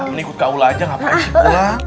ini ikut ke aula aja ngapain sih pulang